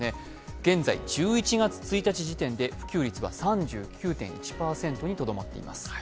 現在１１月１日時点で普及率は３９．１％にとどまっています。